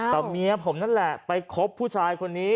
แต่เมียผมนั่นแหละไปคบผู้ชายคนนี้